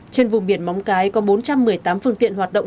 trên vùng biển móng cái có bốn trăm một mươi tám phương tiện hoạt động